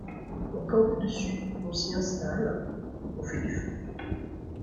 On campe dessus, on s’y installe, on fait du feu. ..